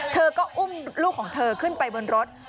เธอก็อุ้มลูกของเธอขึ้นไปบนรถ